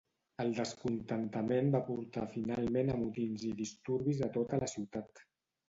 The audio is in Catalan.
El descontentament va portar finalment a motins i disturbis a tota la ciutat.